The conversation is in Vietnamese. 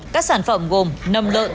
các sản phẩm gồm nầm lợn